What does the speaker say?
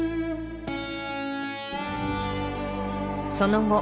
その後